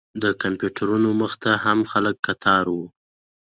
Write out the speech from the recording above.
د کمپیوټرونو مخې ته هم خلک کتار و.